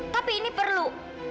tapi ini perlu